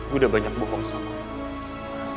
gue udah banyak bohong sama lo